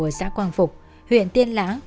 ở xã quang phục huyện tiên lã